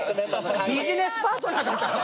ビジネスパートナーだったんだ。